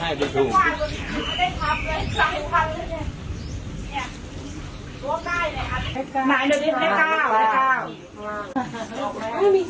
อาวุธแห่งแล้วพอเดินได้ผมว่าเจอบัตรภรรยากุศิษภัณฑ์